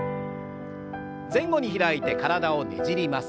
前後に開いて体をねじります。